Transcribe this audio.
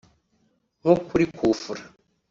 nko kuri Coup-Franc